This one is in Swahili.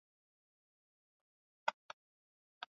idadi kubwa ya wasikilizaji wanapenda vipindi vizuri sana